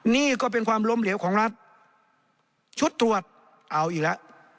นี่ก็เป็นความล้มเหลวของรัฐชุดตรวจเอาอีกแล้ว